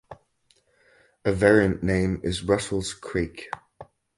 A variant name is "Russells Creek".